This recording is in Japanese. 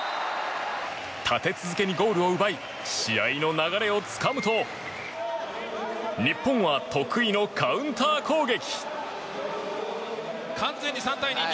立て続けにゴールを奪い試合の流れをつかむと日本は得意のカウンター攻撃。